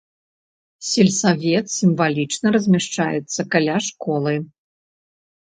Сельсавет сімвалічна размяшчаецца каля школы.